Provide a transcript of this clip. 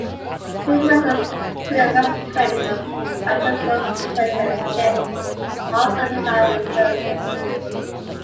References to the fascist traits of Antonescu's dictatorship are also made by other researchers.